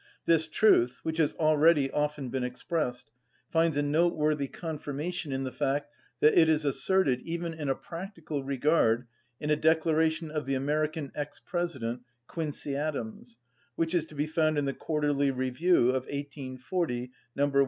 This truth, which has already often been expressed, finds a noteworthy confirmation in the fact that it is asserted, even in a practical regard, in a declaration of the American ex‐ president, Quincey Adams, which is to be found in the Quarterly Review of 1840, No.